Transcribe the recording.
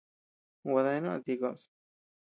Gua deanu a ti koʼös.